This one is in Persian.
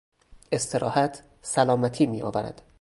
استراحت سلامتی میآورد.